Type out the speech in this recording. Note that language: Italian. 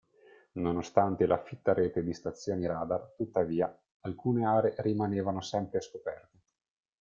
Nonostante la fitta rete di stazioni radar, tuttavia, alcune aree rimanevano sempre scoperte.